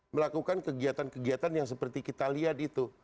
melakukan kegiatan kegiatan yang seperti kita lihat itu